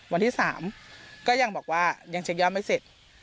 วันที่๓ก็ยังบอกว่ายังเช็คยอดไม่เสร็จ